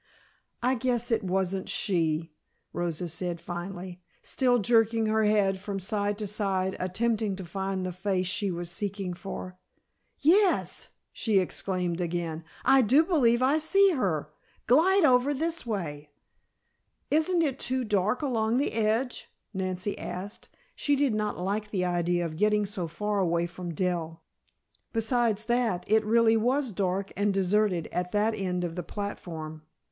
"I guess it wasn't she," Rosa said finally, still jerking her head from side to side attempting to find the face she was seeking for. "Yes," she exclaimed again, "I do believe I see her. Glide over this way " "Isn't it too dark along the edge?" Nancy asked. She did not like the idea of getting so far away from Dell. Besides that, it really was dark and deserted at that end of the platform.